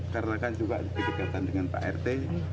karena kan juga diperhatikan dengan pak rt